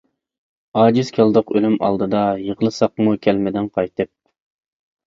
ئاجىز كەلدۇق ئۆلۈم ئالدىدا، يىغلىساقمۇ كەلمىدىڭ قايتىپ.